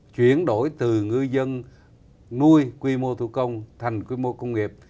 chuyển đổi từ ngư dân nuôi quy mô thủ công thành quy mô công nghiệp